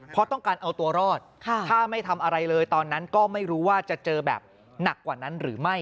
เพราะต้องการเอาตัวรอดถ้าไม่ทำอะไรเลยตอนนั้นก็ไม่รู้ว่าจะเจอแบบหนักกว่านั้นหรือไม่